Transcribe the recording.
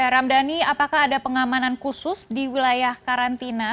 ramdhani apakah ada pengamanan khusus di wilayah karantina